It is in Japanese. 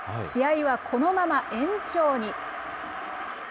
試合はこのまま延長に。